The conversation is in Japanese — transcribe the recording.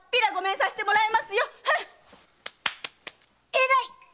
えらいっ！